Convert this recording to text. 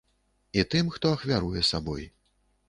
І тым, хто ахвяруе сабой.